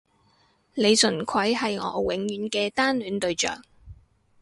李純揆係我永遠嘅單戀對象